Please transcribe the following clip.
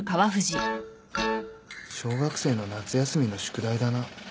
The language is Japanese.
小学生の夏休みの宿題だな。